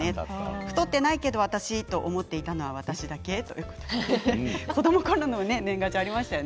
太ってないけど私と思っていたのは私だけ子どもの時の年賀状ありましたよね。